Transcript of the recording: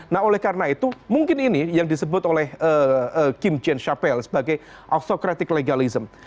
nah oleh karena itu mungkin ini yang disebut oleh kim jenchapel sebagai autokratik legalism